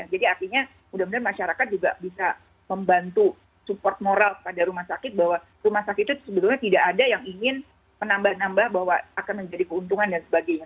jadi artinya mudah mudahan masyarakat juga bisa membantu support moral pada rumah sakit bahwa rumah sakit itu sebetulnya tidak ada yang ingin menambah nambah bahwa akan menjadi keuntungan dan sebagainya